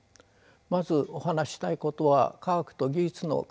まずお話ししたいことは科学と技術の関係です。